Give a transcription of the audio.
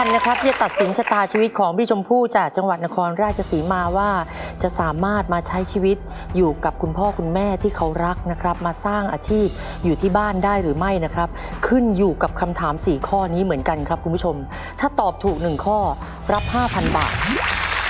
แล้วคุณผู้ชมพูดจากจังหวัดนครราชสีมาว่าจะสามารถมาใช้ชีวิตอยู่กับคุณพ่อคุณแม่ที่เขารักนะครับมาสร้างอาชีพอยู่ที่บ้านได้หรือไม่นะครับขึ้นอยู่กับคำถามสี่ข้อนี้เหมือนกันครับคุณผู้ชมถ้าตอบถูกหนึ่งข้อรับ๕๐๐๐บาท